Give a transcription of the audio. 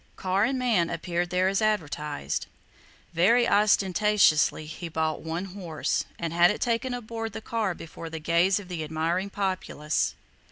Car and man appeared there as advertised. Very ostentatiously, he bought one horse, and had it taken aboard the car before the gaze of the admiring populace.